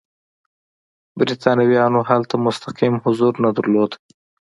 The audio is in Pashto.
برېټانویانو هلته مستقیم حضور نه درلود.